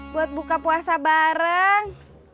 buat buka puasa bareng